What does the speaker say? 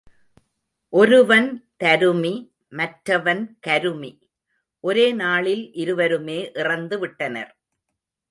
ஒருவன் தருமி மற்றவன் கருமி, ஒரே நாளில் இருவருமே இறந்து விட்டனர்.